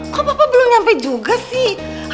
kok bapak belum nyampe juga sih